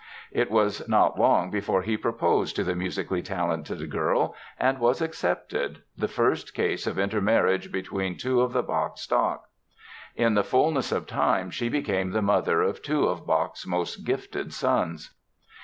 It was not long before he proposed to the musically talented girl and was accepted—the first case of intermarriage between two of the Bach stock. In the fullness of time she became the mother of two of Bach's most gifted sons.